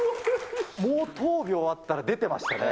もう１０秒あったら、出てましたね。